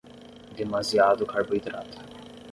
Demasiado carboidrato